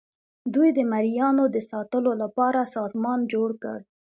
دوی د مرئیانو د ساتلو لپاره سازمان جوړ کړ.